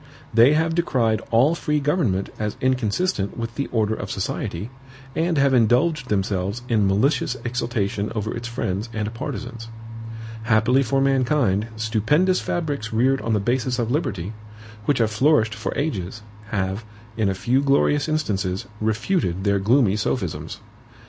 They have decried all free government as inconsistent with the order of society, and have indulged themselves in malicious exultation over its friends and partisans. Happily for mankind, stupendous fabrics reared on the basis of liberty, which have flourished for ages, have, in a few glorious instances, refuted their gloomy sophisms.